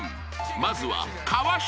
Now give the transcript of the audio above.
［まずは川尻。